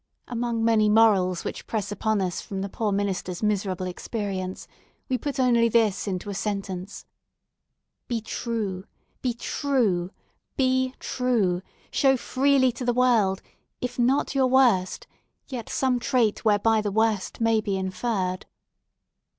Among many morals which press upon us from the poor minister's miserable experience, we put only this into a sentence:—"Be true! Be true! Be true! Show freely to the world, if not your worst, yet some trait whereby the worst may be inferred!"